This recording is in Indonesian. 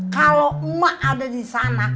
kalau emak ada di sana